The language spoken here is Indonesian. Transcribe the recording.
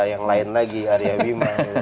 yang lain lagi arya bima